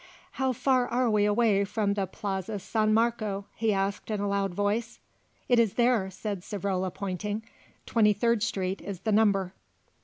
"How far are we away from the Plaza San Marco?" he asked in a loud voice. "It is there," said Savrola pointing. "Twenty third Street is the number."